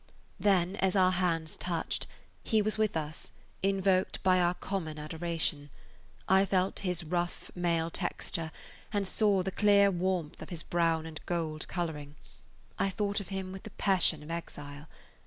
Then, as our hands touched, he was with us, invoked by our common adoration. I felt his rough male texture and saw the clear warmth of his brown and gold coloring; I thought of him with the passion of exile.